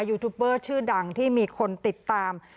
ยูทูปเบอร์ชื่อดังที่มีคนติดตาม